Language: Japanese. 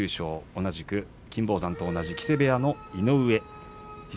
同じく金峰山と同じ木瀬部屋の井上です。